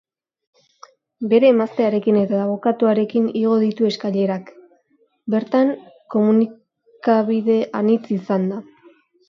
Bere emaztearekin eta abokatuarekin igo ditu eskailerak, bertan komunikabide anitz izanda.